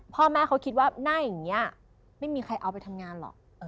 พ่อแม่เขาคิดว่าหน้าอย่างนี้ไม่มีใครเอาไปทำงานหรอก